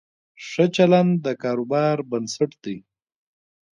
ښه چلند د کاروبار بنسټ دی.